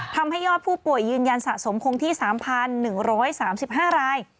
ทำให้ยอดผู้ป่วยยืนยันสะสมคงที่๓๑๓๕ราย